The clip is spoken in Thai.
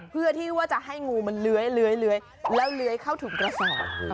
เพื่อที่ว่าจะให้งูมันเลื้อยแล้วเลื้อยเข้าถุงกระสอบ